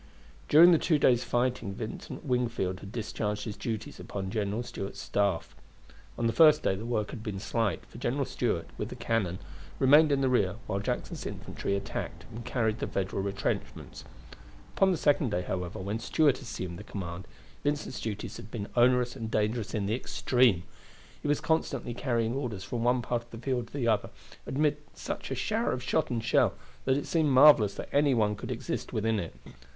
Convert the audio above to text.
During the two days' fighting Vincent Wingfield had discharged his duties upon General Stuart's staff. On the first day the work had been slight, for General Stuart, with the cannon, remained in the rear, while Jackson's infantry attacked and carried the Federal retrenchments. Upon the second day, however, when Stuart assumed the command, Vincent's duties had been onerous and dangerous in the extreme. He was constantly carrying orders from one part of the field to the other, amid such a shower of shot and shell that it seemed marvelous that any one could exist within it.